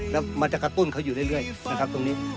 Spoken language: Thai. แล้วมันจะกระตุ้นเขาอยู่เรื่อยนะครับตรงนี้